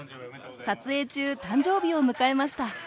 撮影中誕生日を迎えました。